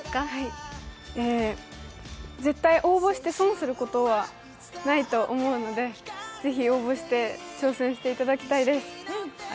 絶対応募して損することはないと思うのでぜひ応募して挑戦していただきたいです。